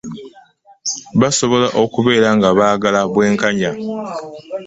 Basobola okubeera nga baagala bwenkanya.